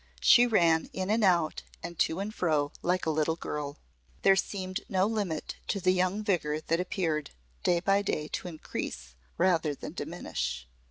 She ran in and out and to and fro like a little girl. There seemed no limit to the young vigour that appeared day by day to increase rather than diminish.